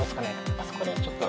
あそこにちょっと。